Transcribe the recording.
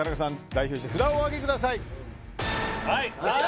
代表して札をおあげくださいはい！